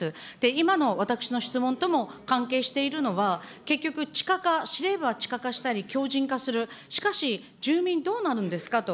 今の私の質問とも関係しているのは、結局、地下化、司令部は地下化したり、強じん化する、しかし、住民どうなるんですかと。